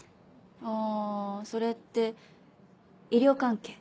あそれって医療関係？